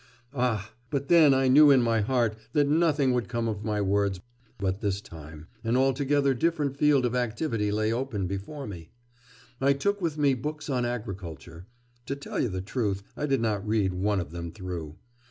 'Ah, but then I knew in my heart that nothing would come of my words; but this time... an altogether different field of activity lay open before me.... I took with me books on agriculture... to tell the truth, I did not read one of them through....